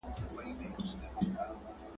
په ټوله مانا د خپل ولس او خاورې